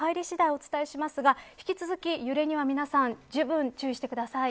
お伝えしますが引き続き、揺れには皆さんじゅうぶん注意してください。